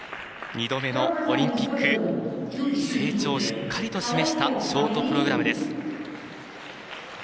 ２度目のオリンピック成長をしっかりと示したショートプログラムです。